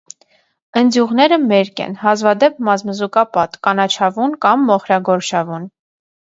Ընձյուղները մերկ են, հազվադեպ մազմզուկապատ, կանաչավուն կամ մոխրագորշավուն։